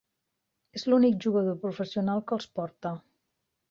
És l'únic jugador professional que els porta.